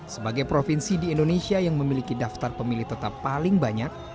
sebagai provinsi di indonesia yang memiliki daftar pemilih tetap paling banyak